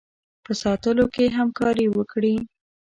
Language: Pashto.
په ساتلو کې همکاري وکړي.